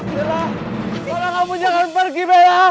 bella kamu jangan pergi bella